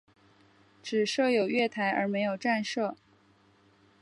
只设有月台而没有站舍。